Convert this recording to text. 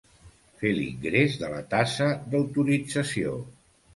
Fer l'ingrés de la taxa d'autorització.